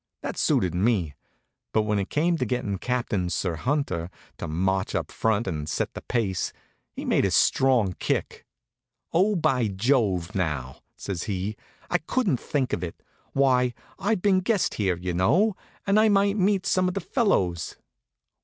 That suited me; but when it came to gettin' Captain Sir Hunter to march up front and set the pace, he made a strong kick. "Oh, by Jove, now!" says he, "I couldn't think of it. Why, I've been a guest here, y'know, and I might meet some of the fellows."